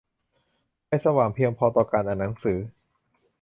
ไฟสว่างเพียงพอต่อการอ่านหนังสือ